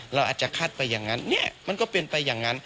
เราอาจจะคาดไปอย่างนั้นเนี่ยมันก็เป็นไปอย่างนั้น